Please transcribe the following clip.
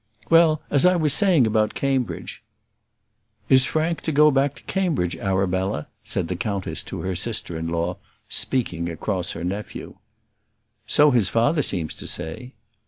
Well, as I was saying about Cambridge " "Is Frank to go back to Cambridge, Arabella?" said the countess to her sister in law, speaking across her nephew. "So his father seems to say."